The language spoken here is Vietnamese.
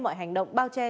mọi hành động bao che